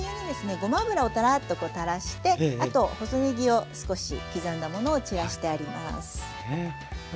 ごま油をたらっとたらしてあと細ねぎを少し刻んだものを散らしてあります。